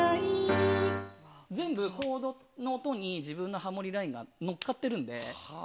全部コードの音に自分のハモリラインが乗っかっているので。